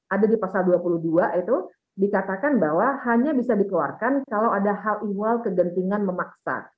ada di pasal dua puluh dua itu dikatakan bahwa hanya bisa dikeluarkan kalau ada hal hal kegentingan memaksa